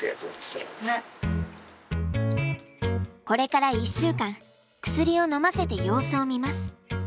これから１週間薬をのませて様子を見ます。